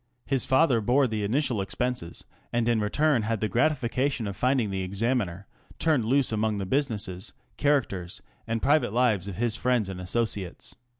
His father bore the initial expenses, and in return had the gratification of finding the Examiner turned loose among the businesses, characters, and private lives of his friends and associates.